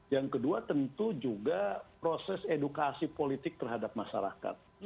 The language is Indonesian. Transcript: yang kedua tentu juga proses edukasi politik terhadap masyarakat